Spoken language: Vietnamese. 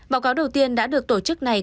báo cáo đầu tiên đã được tổ chức này